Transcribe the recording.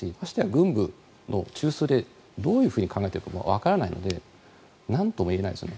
軍部の中枢でどういうふうに考えているかもわからないのでなんとも言えないですよね。